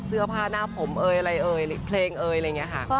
เสื้อผ้าหน้าผมเอ่ยอะไรเอ่ยเพลงเอ๋ยอะไรอย่างนี้ค่ะ